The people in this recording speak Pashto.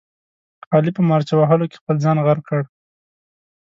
علي په مارچه وهلو کې خپل ځان غرق کړ.